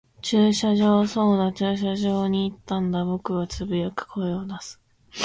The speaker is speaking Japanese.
駐車場。そうだ、駐車場に行ったんだ。僕は呟く、声を出す。